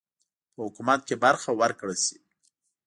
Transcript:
په حکومت کې برخه ورکړه سي.